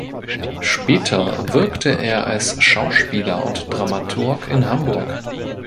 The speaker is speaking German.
Später wirkte er als Schauspieler und Dramaturg in Hamburg.